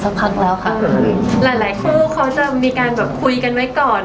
หลายคู่เขามีการคุยกันไหมก่อน